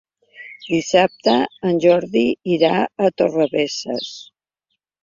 Dissabte en Jordi irà a Torrebesses.